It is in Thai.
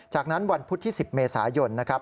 จากนั้นวันพุธที่๑๐เมษายนนะครับ